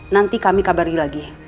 nanti kami kabar lagi